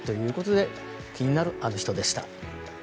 気になるアノ人でした。